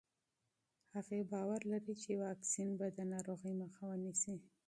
هغې باور لري چې واکسین به د ناروغۍ مخه ونیسي.